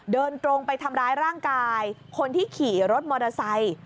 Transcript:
เดินตรงไปทำร้ายร่างกายคนที่ขี่รถมอเตอร์ไซค์